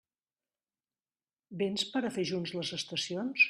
Véns per a fer junts les estacions?